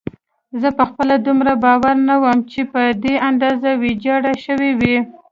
زه خپله دومره باوري نه وم چې په دې اندازه ویجاړه شوې وي.